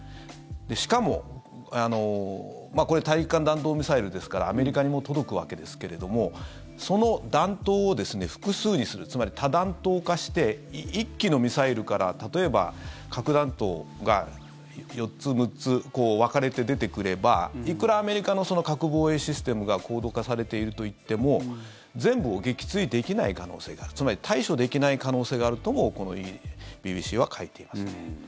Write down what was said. しかも、これ大陸間弾道ミサイルですからアメリカにも届くわけですけどもその弾頭を複数にするつまり、多弾頭化して１基のミサイルから例えば核弾頭が４つ、６つ、分かれて出てくればいくらアメリカの核防衛システムが高度化されているといっても全部を撃墜できない可能性があるつまり対処できない可能性があるともこのＢＢＣは書いています。